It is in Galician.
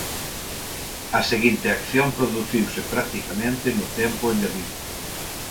A seguinte acción produciuse practicamente no tempo engadido.